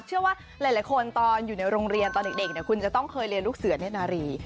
เชื่อว่าหลายคนว่าคุณค่อยจะต้องเคยเรียนลูกเสือกนารี